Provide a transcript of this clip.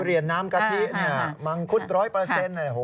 ทุเรียนน้ำกะทิมังคุ้น๑๐๐โหเยอะเลยฮะ